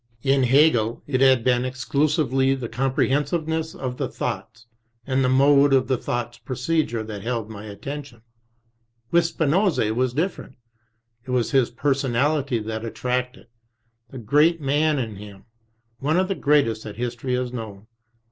In Hegel, it had been exclusively the comprehensiveness of the thoughts and the mode of the thought's procedure that held my attention. With Spinoza it was different It was his personality that attracted, the great man in him, one of the greatest that History has known.